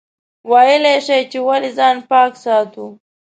ویلای شئ چې ولې ځان پاک ساتو؟